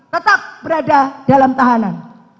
tetap berada dalam tahanan